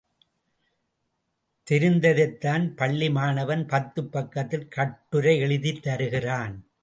தெரிந்ததைத்தான் பள்ளி மாணவன் பத்துப் பக்கத்தில் கட்டுரை எழுதித் தருகிறான்.